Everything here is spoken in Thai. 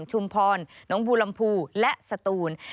ชุมพรหนงบูรรมภูและสตูน